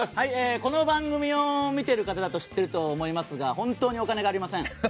この番組を見ている方は知ってると思いますが本当にお金がありません。